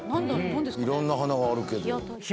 いろんな花があるけど。